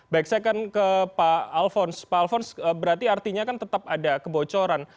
baik saya akan ke pak alphonse pak alfons berarti artinya kan tetap ada kebocoran